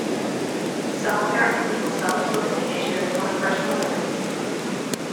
Some American legal scholars look at the issue as one of personal liberty.